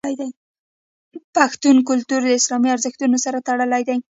پښتون کلتور د اسلامي ارزښتونو سره تړلی دی.